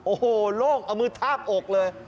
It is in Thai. โอ้โหโล่งเอามือทาบอกเลย